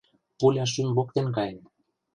Пуля шӱм воктен каен.